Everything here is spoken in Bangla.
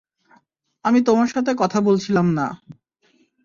আমি তোমার সাথে কথা বলছিলাম না।